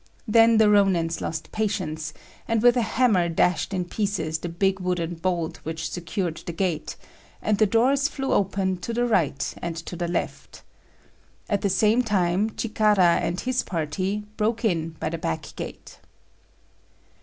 Then the Rônins lost patience, and with a hammer dashed in pieces the big wooden bolt which secured the gate, and the doors flew open to the right and to the left. At the same time Chikara and his party broke in by the back gate.